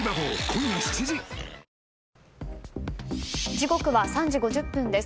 時刻は３時５０分です。